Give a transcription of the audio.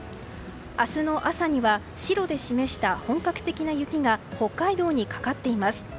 明日の朝には白で示した本格的な雪が北海道にかかっています。